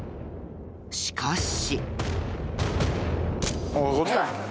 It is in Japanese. しかし。